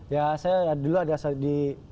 ya saya dulu ada di